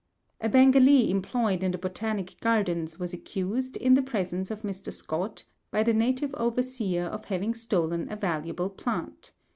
A Bengalee employed in the Botanic Gardens was accused, in the presence of Mr. Scott, by the native overseer of having stolen a valuable plant.